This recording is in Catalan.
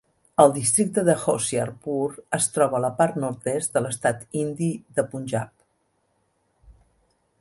El districte de Hoshiarpur es troba a la part nord-est de l'estat indi de Punjab.